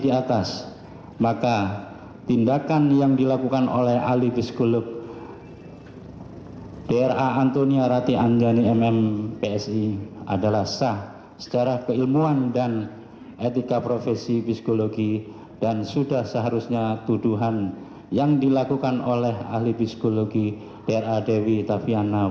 di dalam cairan lambung korban yang disebabkan oleh bahan yang korosif